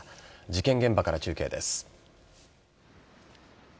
事件現場から中継です。